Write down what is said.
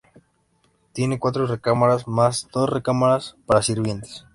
Tiene cuatro recámaras más dos recámaras para sirvientes.